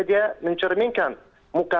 dia mencerminkan muka